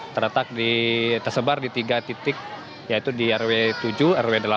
terletak tersebar di tiga titik yaitu di rw tujuh rw delapan